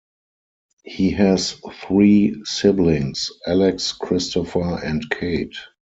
He has three siblings, Alex, Christopher, and Kate.